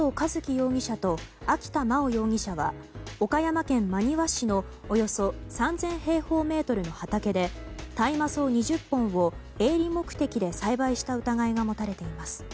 容疑者と秋田真央容疑者は岡山県真庭市のおよそ３０００平方メートルの畑で大麻草２０本を営利目的で栽培した疑いが持たれています。